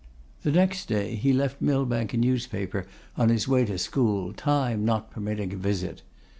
The next day he left Millbank a newspaper on his way to school, time not permitting a visit.